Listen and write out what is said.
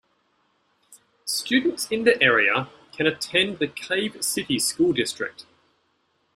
Students in the area can attend the Cave City School District.